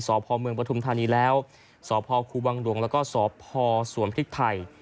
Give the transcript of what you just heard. สพเมืองปฐุมธานีแล้วสพครูบังหลวงแล้วก็สพสวนพริกไทย